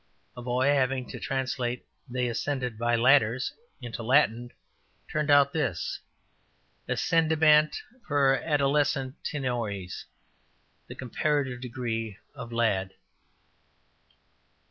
A boy having to translate ``they ascended by ladders'' into Latin, turned out this, ``ascendebant per adolescentiores'' (the comparative degree of lad, _i.